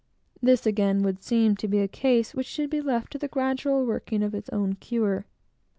This again would seem to be a case which should be left to the gradual working of its own cure.